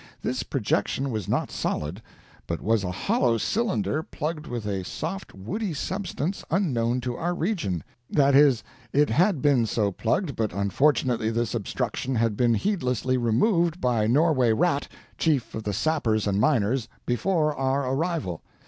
This projection was not solid, but was a hollow cylinder plugged with a soft woody substance unknown to our region that is, it had been so plugged, but unfortunately this obstruction had been heedlessly removed by Norway Rat, Chief of the Sappers and Miners, before our arrival.